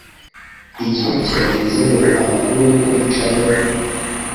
Igihe kirageze ngo amakuru yo kuri Channel .